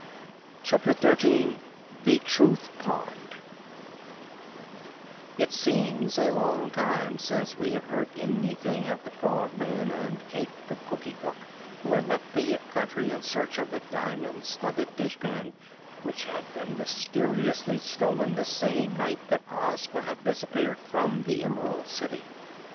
CHAPTER 13 THE TRUTH POND It seems a long time since we have heard anything of the Frogman and Cayke the Cookie Cook, who had left the Yip Country in search of the diamond studded dishpan which had been mysteriously stolen the same night that Ozma had disappeared from the Emerald City.